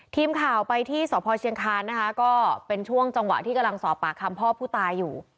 ทีมข่าวไปที่สพเชียงคานนะคะก็เป็นช่วงจังหวะที่กำลังสอบปากคำพ่อผู้ตายอยู่